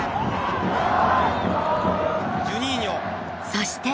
そして。